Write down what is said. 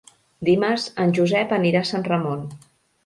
Dimarts en Josep anirà a Sant Ramon.